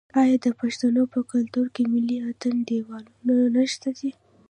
آیا د پښتنو په کلتور کې ملي اتن د یووالي نښه نه ده؟